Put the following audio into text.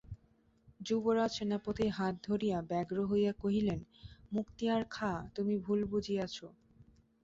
যুবরাজ সেনাপতির হাত ধরিয়া ব্যগ্র হইয়া কহিলেন, মুক্তিয়ার খাঁ, তুমি ভুল বুঝিয়াছ।